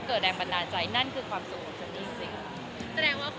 หรือเวลาจะเข้ามาช่วงไหน